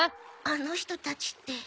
あの人たちって。